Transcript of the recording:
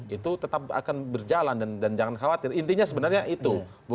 itu tetap akan berjalan dan jangan khawatir intinya sebenarnya itu